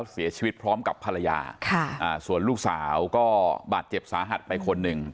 เสียชีวิตพร้อมกับภรรยาส่วนลูกสาวก็บาดเจ็บสาหัสไปคนหนึ่ง